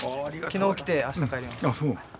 昨日来てあした帰ります。